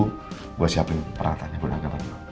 tunggu gua siapin peratangnya buat anak anak gua